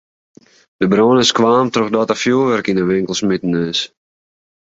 De brân is kaam trochdat der fjurwurk yn de winkel smiten is.